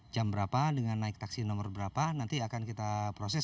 jam berapa dengan naik taksi nomor berapa nanti akan kita proses